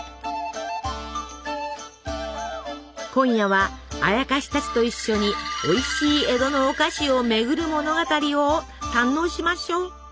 今夜はあやかしたちと一緒においしい江戸のお菓子を巡る物語を堪能しましょう。